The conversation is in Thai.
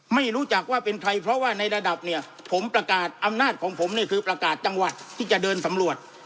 ไม่รู้จักว่าเป็นใครเพราะว่าในระดับเนี่ยผมประกาศอำนาจของผมเนี่ยคือประกาศจังหวัดที่จะเดินสำรวจ